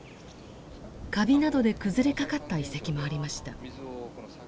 カビなどで崩れかかった遺跡もありました。